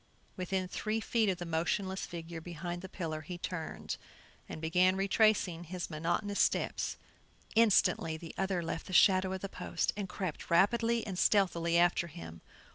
Within three feet of the motionless figure behind the pillar he turned, and began retracing his monotonous steps. Instantly the other left the shadow of the post and crept rapidly and stealthily after him.